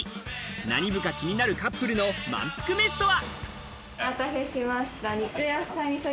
何部か気になるカップルのまんぷく飯とは？